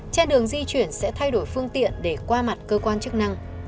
trên đường di chuyển sẽ thay đổi phương tiện để qua mặt cơ quan chức năng